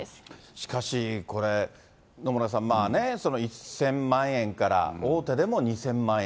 しかし、これ、野村さん、１０００万円から、大手でも２０００万円。